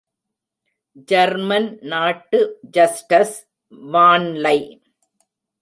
German நாட்டு Justus வான்லை!